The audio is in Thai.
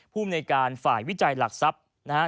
ภูมิในการฝ่ายวิจัยหลักทรัพย์นะฮะ